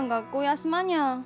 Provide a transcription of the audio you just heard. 休まにゃあ。